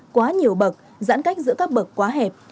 quá nhiều bậc giãn cách giữa các bậc quá hẹp